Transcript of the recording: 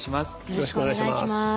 よろしくお願いします。